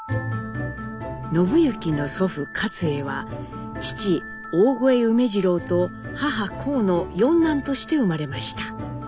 宣之の祖父勝衛は父大峠梅次郎と母こうの四男として生まれました。